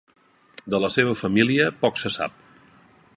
De la seva família poc se sap.